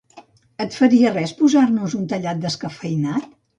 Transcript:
Et faria res posar-nos un tallat descafeïnat?